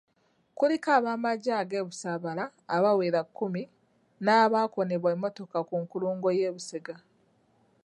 Kuliko abamagye age'Busaabala abawera kkumi n'abaakoonebwa emmotoka ku nkulungo y'e Busega.